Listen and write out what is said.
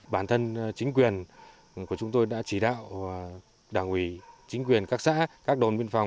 bản thân chính quyền của chúng tôi đã chỉ đạo đảng ủy chính quyền các xã các đồn biên phòng